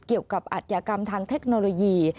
เกี่ยวกับอัตยากรรมทางเทคโนโลยี